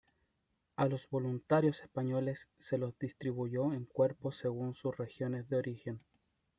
A los voluntarios españoles se los distribuyó en cuerpos según sus regiones de origen.